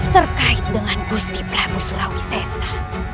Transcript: terkait dengan gusti prabu surawi sesa